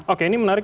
oke ini menarik